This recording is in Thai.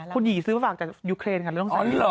พี่แฟนเขาซื้อให้